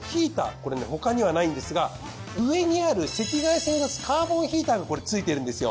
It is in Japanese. これね他にはないんですが上にある赤外線を出すカーボンヒーターが付いてるんですよ。